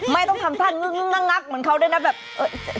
ไม่ต้องทำท่างับเหมือนเขาด้วยนะแบบ